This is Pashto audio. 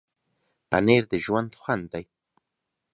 پنېر د ژوند خوند دی.